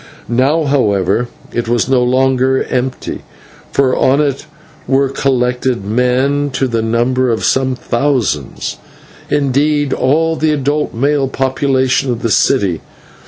Now, however, it was no longer empty, for on it were collected men to the number of some thousands; indeed, all the adult male population of the city.